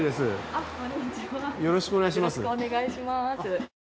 よろしくお願いします。